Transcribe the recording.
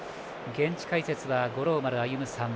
現地解説は、五郎丸歩さん。